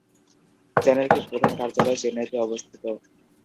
চ্যানেলটির প্রধান কার্যালয় চেন্নাইতে অবস্থিত।